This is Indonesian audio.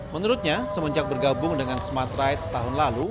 menurutnya semenjak bergabung dengan smartride setahun lalu